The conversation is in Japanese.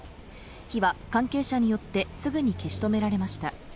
火は関係者によってすぐに消し止められました。